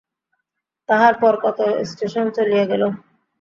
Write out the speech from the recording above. তাহার পর কত স্টেশন চলিয়া গেল।